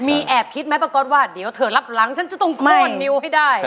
มีแอบคิดไหมป้าก๊อตว่าเดี๋ยวเธอรับหลังฉันจะต้องก้อนนิ้วให้ได้